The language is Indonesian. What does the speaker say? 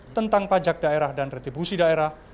tentang pajak daerah dan retribusi daerah